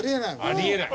あり得ない。